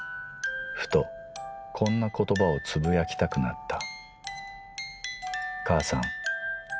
［ふとこんな言葉をつぶやきたくなった］